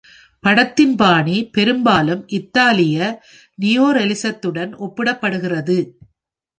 படத்தின் பாணி பெரும்பாலும் இத்தாலிய நியோரலிசத்துடன் ஒப்பிடப்படுகிறது.